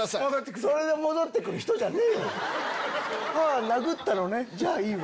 それで戻って来る人じゃねえわ。